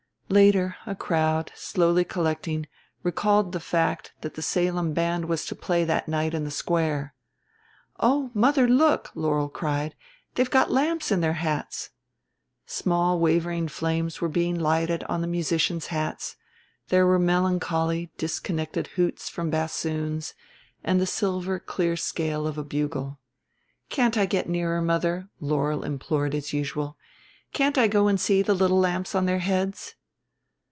Later a crowd, slowly collecting, recalled the fact that the Salem Band was to play that night in the Square. "Oh, mother, look," Laurel cried; "they've got lamps in their hats." Small wavering flames were being lighted on the musicians' hats; there were melancholy disconnected hoots from bassoons and the silver clear scale of a bugle. "Can't I get nearer, mother?" Laurel implored as usual. "Can't I go and see the little lamps on their heads?"